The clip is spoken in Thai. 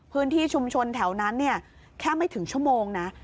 พื้นที่ชุมชนแถวนั้นเนี่ยแค่ไม่ถึงชั่วโมงนะ